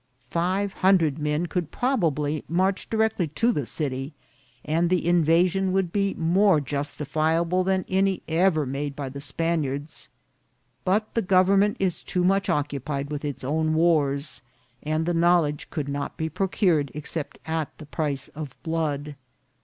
Five hundred men could probably march directly to the city, and the invasion would be more justifiable than any ever made by the Spaniards ; but the government is too much occupied with its own wars, and the knowledge could not be procured except at the price of blood.